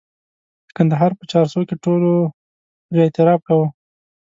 د کندهار په چارسو کې ټولو پرې اعتراف کاوه.